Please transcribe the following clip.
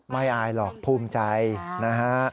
อายหรอกภูมิใจนะฮะ